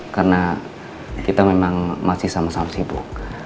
karena kita memang masih sama sama sibuk